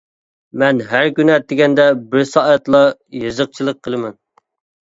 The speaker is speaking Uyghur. مەن ھەر كۈنى ئەتىگەندە بىر سائەتلا يېزىقچىلىق قىلىمەن.